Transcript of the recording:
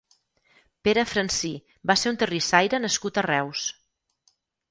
Pere Francí va ser un terrissaire nascut a Reus.